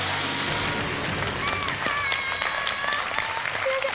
すいません。